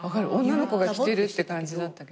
女の子が着てるって感じだったけど。